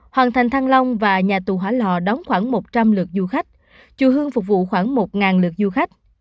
hoàng thành thăng long và nhà tù hỏa lò đón khoảng một trăm linh lượt du khách chùa hương phục vụ khoảng một lượt du khách